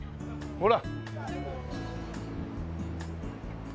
ほら。